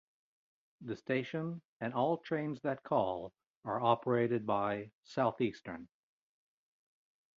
The station and all trains that call are operated by Southeastern.